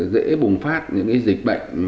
dễ bùng phát những dịch bệnh